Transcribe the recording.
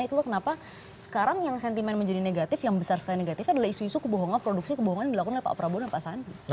itulah kenapa sekarang yang sentimen menjadi negatif yang besar sekali negatifnya adalah isu isu kebohongan produksi kebohongan yang dilakukan oleh pak prabowo dan pak sandi